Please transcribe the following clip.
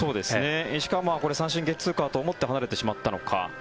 石川は三振ゲッツーかと思って離れてしまったのか。